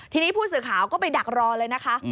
ทีนี้ผู้สื่อข่าวก็ไปดักรอเลยนะคะ